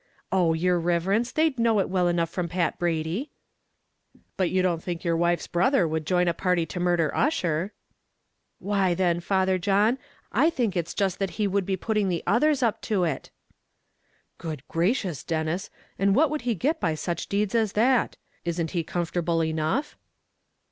"Oh! yer riverence, they'd know it well enough from Pat Brady." "But you don't think your wife's brother would join a party to murder Ussher?" "Why then, Father John I think it's just he that would be putting the others up to it." "Good gracious, Denis! and what would he get by such deeds as that? Isn't he comfortable enough."